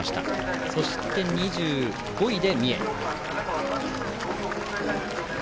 そして、２５位で三重。